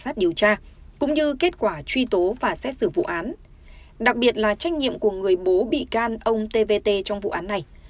các cơ quan tiến hành tố tụng sẽ còn phải tiếp tục điều tra cũng như kết quả truy tố và xét xử vụ án đặc biệt là trách nhiệm của người bố bị can ông tvt trong vụ án này